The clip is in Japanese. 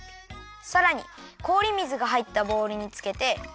さらにこおり水がはいったボウルにつけて。